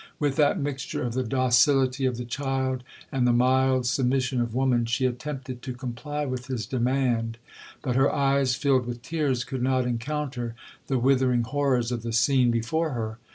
With that mixture of the docility of the child, and the mild submission of woman, she attempted to comply with his demand, but her eyes, filled with tears, could not encounter the withering horrors of the scene before her.